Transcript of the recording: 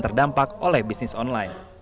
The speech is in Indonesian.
pengamat ekonomi universitas pajajaran dian mbak